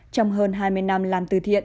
trong hơn hai mươi năm làm từ thiện